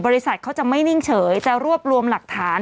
บริษัทเขาจะไม่นิ่งเฉยจะรวบรวมหลักฐาน